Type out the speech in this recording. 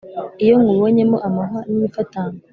iyo nywubonyemo amahwa n’imifatangwe,